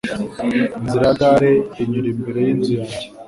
Inzira ya gare inyura imbere yinzu yanjye.